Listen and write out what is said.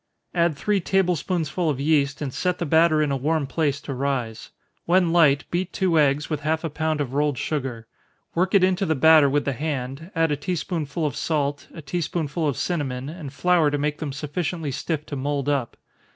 Add three table spoonsful of yeast, and set the batter in a warm place to rise. When light, beat two eggs, with half a pound of rolled sugar work it into the batter with the hand, add a tea spoonful of salt, a tea spoonful of cinnamon, and flour to make them sufficiently stiff to mould up.